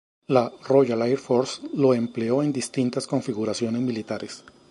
La Royal Air Force lo empleó en distintas configuraciones militares.